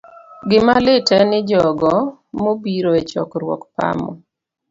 Gima lit en ni jogo mobiro e chokruok pamo